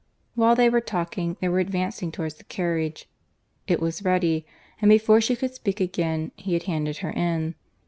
While they talked, they were advancing towards the carriage; it was ready; and, before she could speak again, he had handed her in.